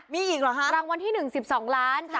มีอีกเหรอฮะรางวัลที่หนึ่งสิบสองล้านใช่